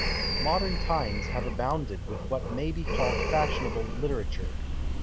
Modern times have abounded with what may be called fashionable literature.